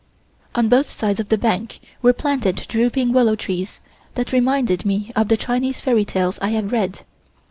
On both sides of the bank were planted drooping willow trees that reminded me of the Chinese Fairy tales I have read.